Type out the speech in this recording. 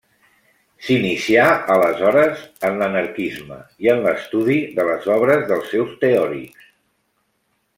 S'inicià, aleshores, en l'anarquisme i en l'estudi de les obres dels seus teòrics.